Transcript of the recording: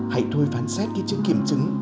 hãy thôi phán xét cái chữ kiểm chứng